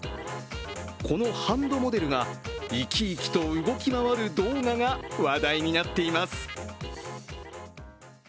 このハンドモデルが生き生きと動き回る動画が話題になっています。